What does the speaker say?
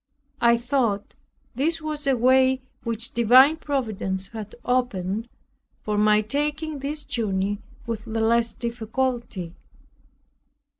I thought this was a way which divine Providence had opened, for my taking this journey with the less difficulty.